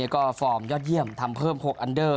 ก็ฟอร์มยอดเยี่ยมทำเพิ่ม๖อันเดอร์